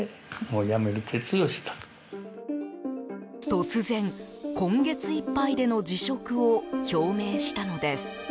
突然、今月いっぱいでの辞職を表明したのです。